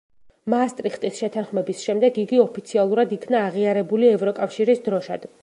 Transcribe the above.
მაასტრიხტის შეთანხმების შემდეგ იგი ოფიციალურად იქნა აღიარებულია ევროკავშირის დროშად.